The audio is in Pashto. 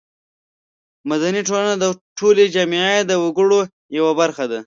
مدني ټولنه د ټولې جامعې د وګړو یوه برخه ده.